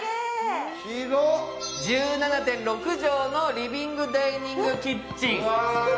１７．６畳のリビングダイニングキッチン。